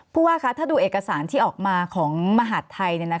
ผู้ว่าคะถ้าดูเอกสารที่ออกมาของมหาดไทย